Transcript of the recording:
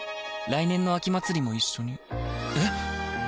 来年の秋祭も一緒にえ